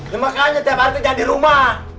ya makanya tiap hari tuh jangan di rumah